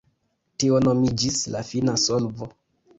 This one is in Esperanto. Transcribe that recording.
Tio nomiĝis “la fina solvo”.